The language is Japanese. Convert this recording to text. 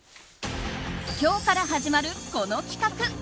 今日から始まるこの企画。